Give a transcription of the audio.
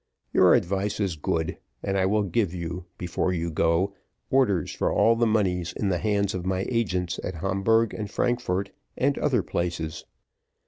Your advice is good, and I will give you, before you go, orders for all the monies in the hands of my agents at Hamburgh and Frankfort and other places.